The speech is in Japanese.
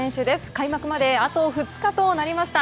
開幕まであと２日となりました。